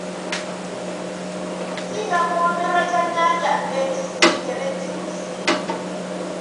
Nsinga kuwoomerwa kyannyanja ekisiike ne chipusi.